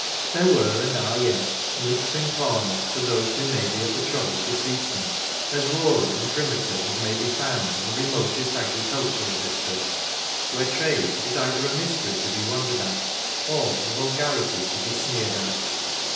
There were, and are yet, nooks and corners, for those who may be at the trouble to seek them, as rural and primitive as may be found in the remotest agricultural districts, where trade is either a mystery to be wondered at, or a vulgarity to be sneered at.